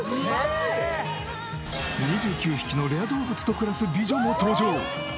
２９匹のレア動物と暮らす美女も登場。